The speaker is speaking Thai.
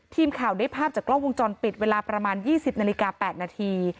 ทีมข่าวได้ภาพจากกล้องวงจรปิดเวลาประมาณ๒๐นาฬิกา๘นาที